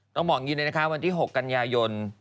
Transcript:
ต้องบอกอย่างนี้เลยนะคะวันที่๖กันยายน